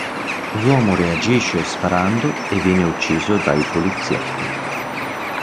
L'uomo reagisce sparando e viene ucciso dai poliziotti.